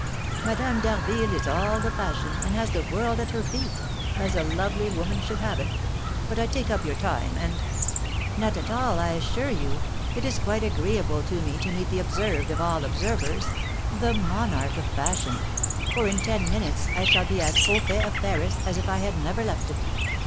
"Madame d'Harville is all the fashion, and has the world at her feet, as a lovely woman should have. But I take up your time, and " "Not at all, I assure you. It is quite agreeable to me to meet the 'observed of all observers,' the monarch of fashion, for, in ten minutes, I shall be as au fait of Paris as if I had never left it.